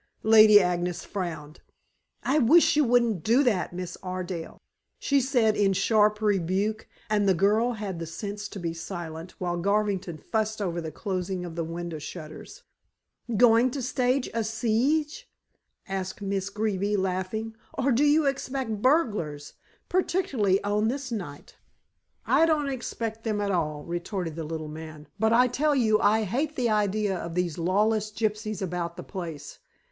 Lady Agnes frowned. "I wish you wouldn't do that, Miss Ardale," she said in sharp rebuke, and the girl had the sense to be silent, while Garvington fussed over the closing of the window shutters. "Going to stand a siege?" asked Miss Greeby, laughing. "Or do you expect burglars, particularly on this night." "I don't expect them at all," retorted the little man. "But I tell you I hate the idea of these lawless gypsies about the place.